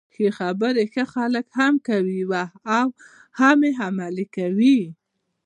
ښې خبري ښه خلک هم کوي او هم يې عملي کوي.